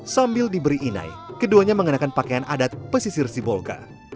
sambil diberi inai keduanya mengenakan pakaian adat pesisir sibolga